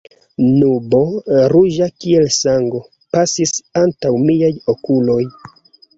Nubo, ruĝa kiel sango, pasis antaŭ miaj okuloj.